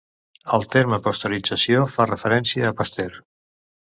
El terme pasteurització fa referència a Pasteur.